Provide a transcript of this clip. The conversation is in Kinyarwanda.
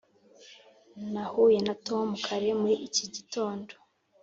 nahuye na tom kare muri iki gitondo.